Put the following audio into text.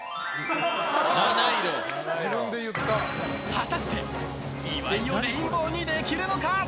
果たして岩井をレインボーにできるのか。